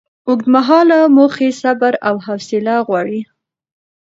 اوږدمهاله موخې صبر او حوصله غواړي.